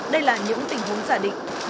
đây là những tình huống giả định